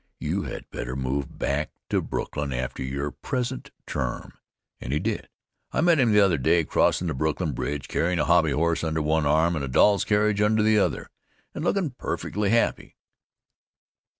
You had better move back to Brooklyn after your present term." And he did. I met him the other day crossin' the Brooklyn Bridge, carryin' a hobbyhorse under one arm, and a doll's carriage under the other, and lookin' perfectly happy.